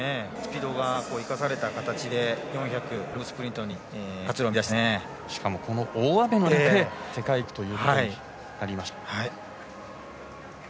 スピードが生かされた形で４００、ロングスプリントにしかも大雨の中で世界記録ということになりました。